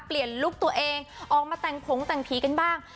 ลุคตัวเองออกมาแต่งผงแต่งผีกันบ้าง